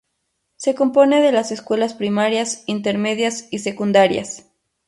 Se compone de las escuelas primarias, intermedias y secundarias.